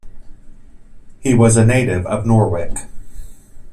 He was a native of Norwich.